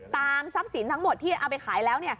ทรัพย์สินทั้งหมดที่เอาไปขายแล้ว